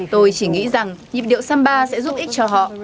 tôi chỉ nghĩ rằng nhịp điệu samba sẽ giúp ích cho họ